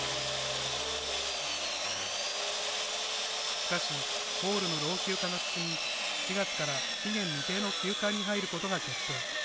しかし、ホールの老朽化が進み４月から期限未定の休館に入ることが決定。